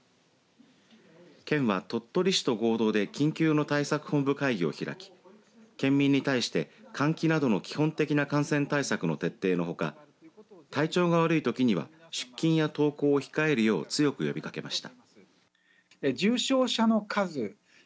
県は鳥取市と合同で緊急の対策本部会議を開き県民に対して換気などの基本的な感染対策の徹底のほか体調が悪いときには出勤や登校を控えるよう強く呼びかけました。